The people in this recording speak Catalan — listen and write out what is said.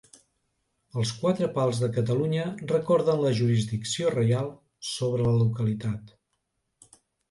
Els quatre pals de Catalunya recorden la jurisdicció reial sobre la localitat.